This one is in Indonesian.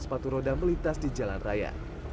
sepatu roda melintas di jalan raya